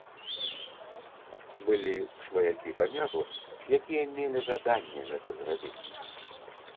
Былі сваякі памерлых, якія мелі жаданне гэта зрабіць.